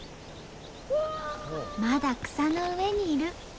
まだ草の上にいる！